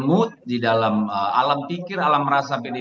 mood di dalam alam pikir alam rasa pdip